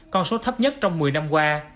con số thấp nhất trong một mươi năm qua